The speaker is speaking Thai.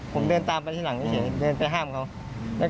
ผมเดินตามไปที่หลังกันเฉย